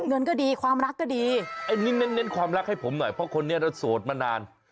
เงินก็ดีความรักก็ดีอันนี้เน้นความรักให้ผมหน่อยเพราะคนนี้เราโสดมานาน